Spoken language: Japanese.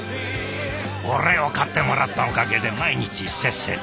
俺を買ってもらったおかげで毎日せっせと。